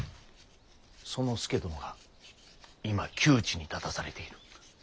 その佐殿が今窮地に立たされている。